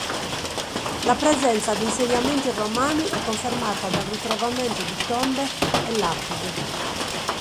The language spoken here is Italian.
La presenza di insediamenti romani è confermata dal ritrovamento di tombe e lapidi.